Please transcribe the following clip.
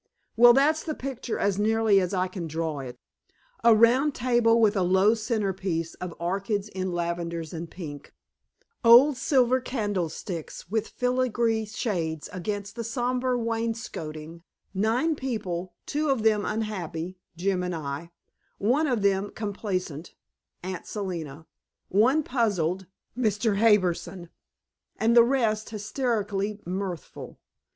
Well, that's the picture as nearly as I can draw it: a round table with a low centerpiece of orchids in lavenders and pink, old silver candlesticks with filigree shades against the somber wainscoting; nine people, two of them unhappy Jim and I; one of them complacent Aunt Selina; one puzzled Mr. Harbison; and the rest hysterically mirthful.